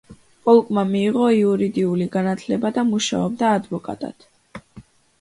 პოლკმა მიიღო იურიდიული განათლება და მუშაობდა ადვოკატად.